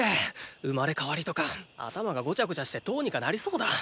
生まれ変わりとか頭がゴチャゴチャしてどーにかなりそうだ！